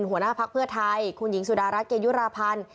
หัวหน้าพักเพื่อไทยคุณหญิงสุดารัฐเกยุราพันธ์